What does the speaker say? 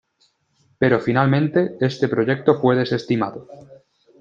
Pero finalmente este proyecto fue desestimado.